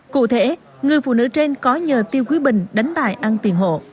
cụ thể người phụ nữ trên có nhờ tiêu quý bình đánh bài ăn tiền hộ